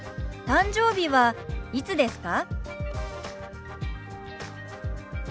誕生日はいつですか？